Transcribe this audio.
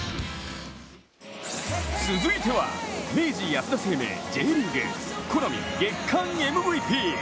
続いては、明治安田生命Ｊ１リーグコナミ月間ＭＶＰ。